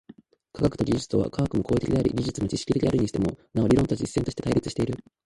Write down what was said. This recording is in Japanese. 科学と技術とは、科学も行為的であり技術も知識的であるにしても、なお理論と実践として対立している。